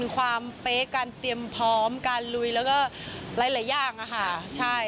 ความเป๊ะการเตรียมพร้อมการลุยแล้วก็หลายอย่างค่ะใช่